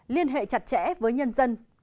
liên hệ chặt chẽ với nhân dân